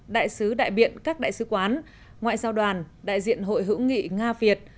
đại sứ đại biện các đại sứ quán ngoại giao đoàn đại diện hội hữu nghị nga việt